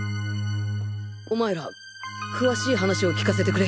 お前ら詳しい話を聞かせてくれ。